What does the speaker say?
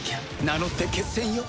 名乗って決戦よ！